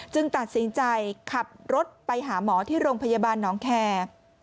ตัดสินใจขับรถไปหาหมอที่โรงพยาบาลน้องแคร์